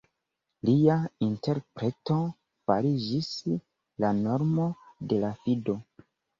Lia interpreto fariĝis la normo de la fido.